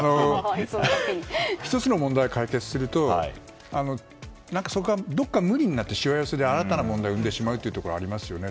１つの問題が解決するとどこかが無理してしわ寄せを生んで新たな問題を生んでしまうこともありますよね。